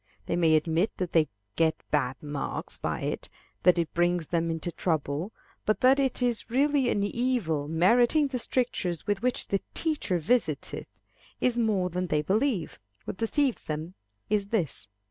They may admit that they get bad marks by it; that it brings them into trouble; but that it is really an evil, meriting the strictures with which the teacher visits it, is more than they believe. What deceives them is this.